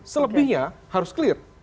selebihnya harus clear